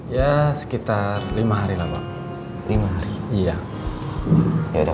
ya sekitar lima hari lah pak